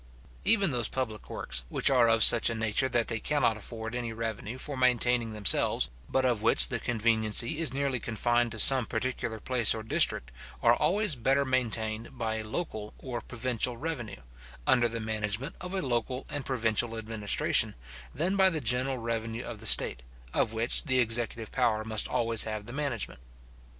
Even those public works, which are of such a nature that they cannot afford any revenue for maintaining themselves, but of which the conveniency is nearly confined to some particular place or district, are always better maintained by a local or provincial revenue, under the management of a local and provincial administration, than by the general revenue of the state, of which the executive power must always have the management.